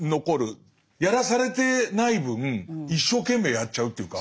やらされてない分一生懸命やっちゃうっていうか。